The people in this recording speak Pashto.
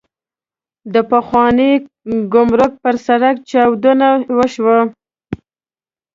د پخواني ګمرک پر سړک چاودنه وشوه.